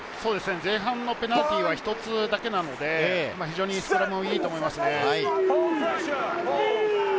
前半のペナルティーは一つだけなので、非常にいいと思いますね。